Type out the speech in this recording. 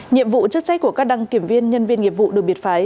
nhiệm vụ chức trách của các đăng kiểm viên nhân viên nghiệp vụ được biệt phái